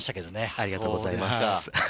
ありがとうございます。